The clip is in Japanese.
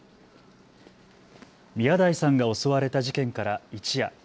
宮台さんが襲われた事件から一夜。